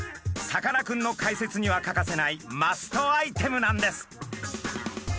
さかなクンの解説には欠かせないマストアイテムなんです。